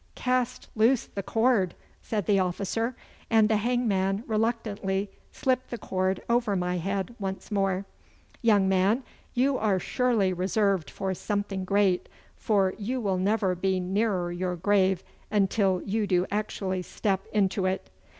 'Cast loose the cord!' said the officer, and the hangman reluctantly slipped the cord over my head once more. 'Young man, you are surely reserved for something great, for you will never be nearer your grave until you do actually step into it.